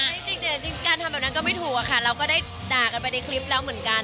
จริงเนี่ยจริงการทำแบบนั้นก็ไม่ถูกอะค่ะเราก็ได้ด่ากันไปในคลิปแล้วเหมือนกัน